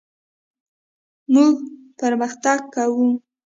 موږ پرمختګ کوو.